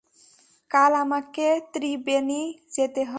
কাল আমাকে ত্রিবেণী যেতে হবে।